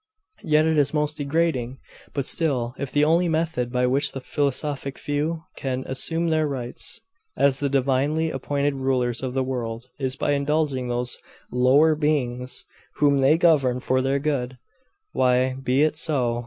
Yet it is most degrading! But still, if the only method by which the philosophic few can assume their rights, as the divinely appointed rulers of the world, is by indulging those lower beings whom they govern for their good why, be it so.